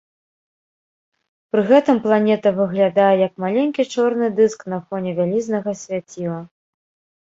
Пры гэтым планета выглядае як маленькі чорны дыск на фоне вялізнага свяціла.